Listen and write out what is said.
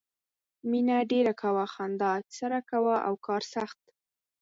مینه ډېره کوه، خندا اکثر کوه او کار سخت.